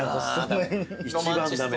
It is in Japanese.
あ一番駄目。